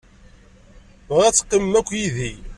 Bɣiɣ ad teqqimem akk yid-i.